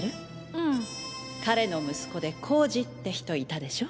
うん彼の息子で浩司って人いたでしょ？